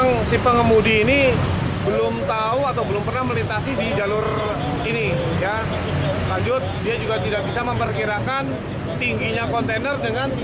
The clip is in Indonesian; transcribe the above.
laka satlantas jakarta timur